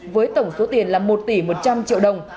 với tổng số tiền là một tỷ một trăm linh triệu đồng